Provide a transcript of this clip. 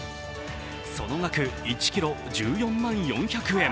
その額１ｋｇ１４万４００円。